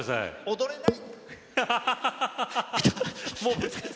踊れない。